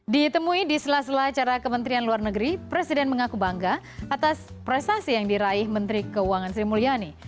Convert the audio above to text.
ditemui di sela sela acara kementerian luar negeri presiden mengaku bangga atas prestasi yang diraih menteri keuangan sri mulyani